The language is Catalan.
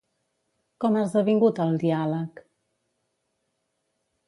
Com ha esdevingut el diàleg?